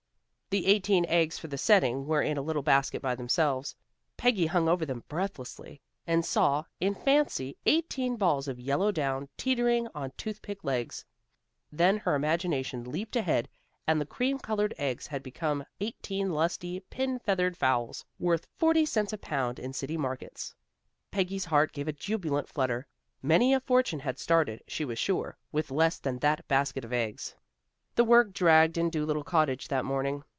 The eighteen eggs for the setting were in a little basket by themselves. Peggy hung over them breathlessly, and saw in fancy eighteen balls of yellow down, teetering on toothpick legs. Then her imagination leaped ahead, and the cream colored eggs had become eighteen lusty, pin feathered fowls, worth forty cents a pound in city markets. Peggy's heart gave a jubilant flutter. Many a fortune had started, she was sure, with less than that basket of eggs. The work dragged in Dolittle Cottage that morning.